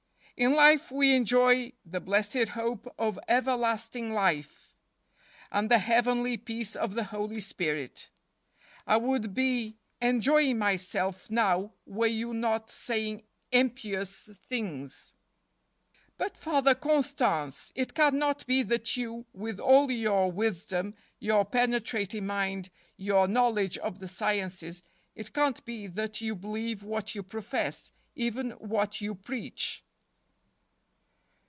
" In life we enjoy ' the blessed hope of everlasting life,' and the heavenly peace of the Holy Spirit. I would be enjoying myself now were you not saying impious things." " But, Father Constance, it can not be that you, with all your wisdom, your penetrating mind, your knowledge of the sciences—it can't be that you be¬ lieve what you profess, even what you preach."